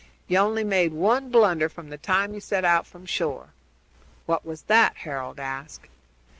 You only made one blunder from the time you set out from shore." "What was that?" Harold asked.